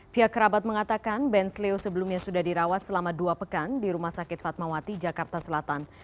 pihak kerabat mengatakan benz leo sebelumnya sudah dirawat selama dua pekan di rumah sakit fatmawati jakarta selatan